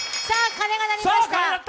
さあ、鐘が鳴りました。